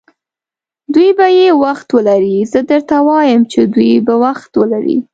دوی به یې وخت ولري، زه درته وایم چې دوی به وخت ولري.